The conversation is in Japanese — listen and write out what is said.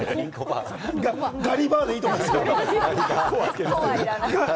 ガリバーでいいと思いますよ。